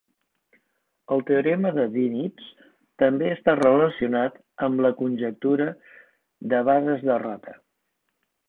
El teorema de Dinitz també està relacionat amb la conjectura de bases de Rota.